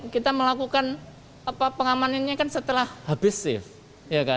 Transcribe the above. kita melakukan pengamanannya kan setelah habis shift